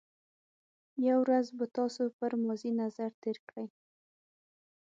یو ورځ به تاسو پر ماضي نظر تېر کړئ.